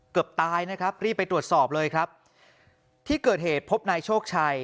เกือบตายนะครับรีบไปตรวจสอบเลยครับที่เกิดเหตุพบนายโชคชัย